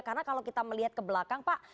karena kalau kita melihat ke belakang pak